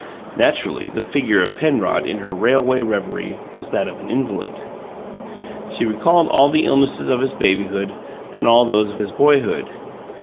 Naturally, the figure of Penrod, in her railway reverie, was that of an invalid. She recalled all the illnesses of his babyhood and all those of his boyhood.